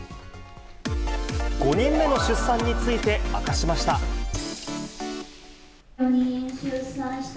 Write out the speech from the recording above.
５人目の出産について明かしました。